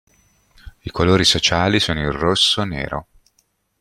I colori sociali sono il rosso-nero.